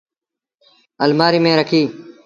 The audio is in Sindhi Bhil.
اَلمآريٚ ميݩ رکي۔